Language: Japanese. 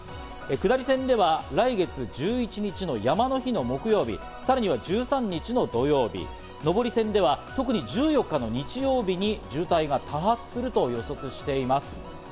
下り線では来月１１日の山の日の木曜日、さらには１３日の土曜日、上り線では特に１４日の日曜日に渋滞が多発すると予測しています。